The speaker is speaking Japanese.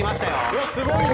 うわっすごいよ！